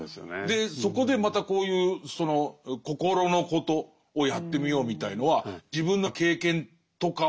そこでまたこういう心のことをやってみようみたいのは自分の経験とかを突き詰めていく。